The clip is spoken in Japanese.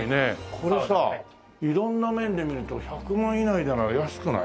これさ色んな面で見ると１００万以内なら安くない？